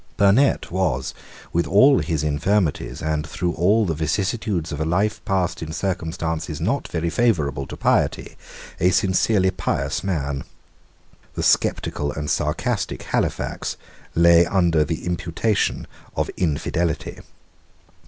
Burnet was, with all his infirmities, and through all the vicissitudes of a life passed in circumstances not very favourable to piety, a sincerely pious man. The sceptical and sarcastic Halifax lay under the imputation of infidelity.